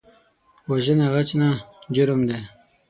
وژنه غچ نه، جرم دی